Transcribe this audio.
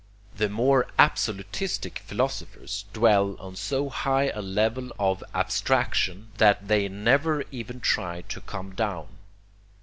The more absolutistic philosophers dwell on so high a level of abstraction that they never even try to come down.